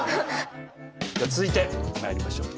じゃあ続いてまいりましょう。